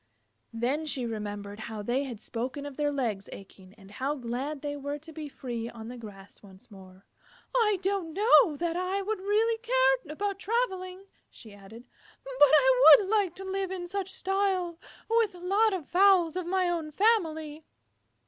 Then she remembered how they had spoken of their legs aching, and how glad they were to be free on the grass once more. "I don't know that I would really care about travelling," she added, "but I would like to live in such style with a lot of fowls of my own family."